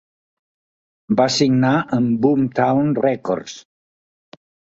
Van signar amb Boomtown Rècords.